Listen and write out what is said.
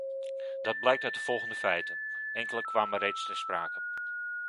Dat blijkt uit de volgende feiten - enkele kwamen reeds ter sprake.